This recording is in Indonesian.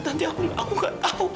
tante aku nggak tahu